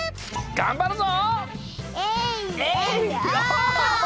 がんばるぞ！